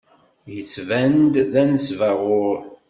Yettban-d d anesbaɣur.